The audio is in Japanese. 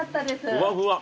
ふわふわ。